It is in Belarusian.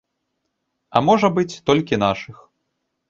А, можа быць, толькі нашых.